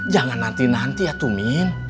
jangan nanti nanti ya tumin